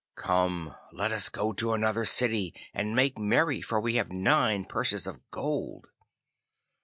Come, let us go to another city, and make merry, for we have nine purses of gold.